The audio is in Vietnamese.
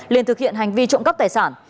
liên thực hiện hành vi trộm cắp tài sản